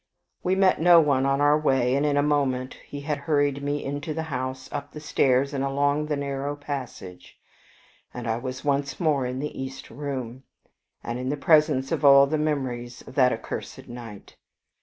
We met no one on our way, and in a moment he had hurried me into the house, up the stairs, and along the narrow passage, and I was once more in the east room, and in the presence of all the memories of that accursed night.